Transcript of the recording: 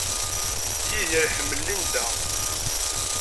Yidir iḥemmel Linda.